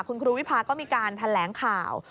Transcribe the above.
คุณครูวิพาก็มีการแถลงข่าว